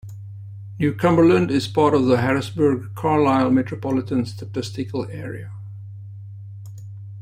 New Cumberland is part of the Harrisburg-Carlisle Metropolitan Statistical Area.